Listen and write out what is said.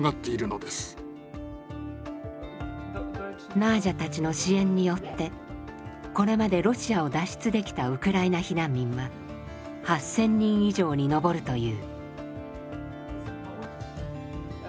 ナージャたちの支援によってこれまでロシアを脱出できたウクライナ避難民は８，０００人以上に上るという。